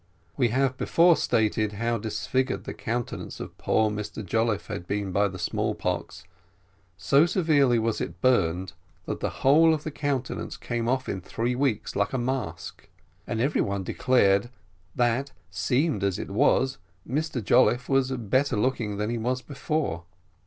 We have before stated how disfigured the countenance of poor Mr Jolliffe had been by the smallpox so severely was it burned that the whole of the countenance came off in three weeks like a mask, and every one declared that, seamed as it still was, Mr Jolliffe was better looking than he was before.